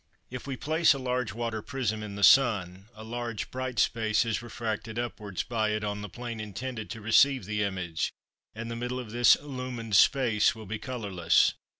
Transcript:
If we place a large water prism in the sun, a large bright space is refracted upwards by it on the plane intended to receive the image, and the middle of this illumined space will be colourless.